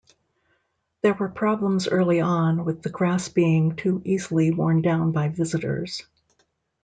There were problems early-on with the grass being too easily worn down by visitors.